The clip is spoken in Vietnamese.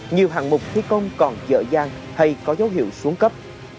nhiều hạng mục thi công còn dỡ gian hay có dấu hiệu xuống cấp